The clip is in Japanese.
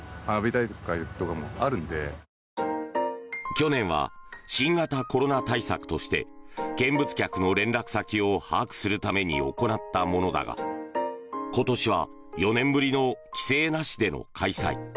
去年は新型コロナ対策として見物客の連絡先を把握するために行ったものだが今年は４年ぶりの規制なしでの開催。